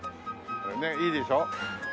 ねっいいでしょ。